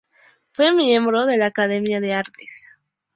Fue miembro de la Academia de Artes.